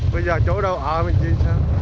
bây giờ chỗ đâu ở mình đi sao